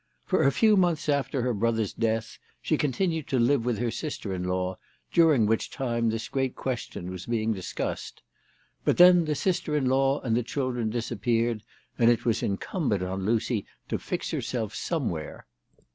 For a few months after her brother's death she continued to live with her sister in law, during which time this greafr question was being discussed. But then the sister in law and the children disappeared, and it was incumbent on Lucy to fix herself some where.